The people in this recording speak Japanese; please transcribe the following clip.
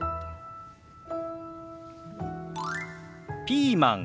「ピーマン」。